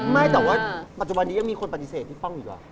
ไม่แต่ว่าปัจจุบันนี้ยังมีคนปฏิเสธพี่ป้องอีกหรอ